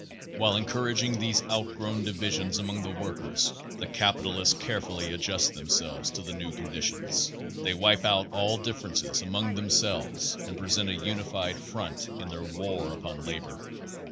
While encouraging these outgrown divisions among the workers the capitalists carefully .adjust themselves to the new conditions. They wipe put all differences among themselves and present a united front in their war upon labor.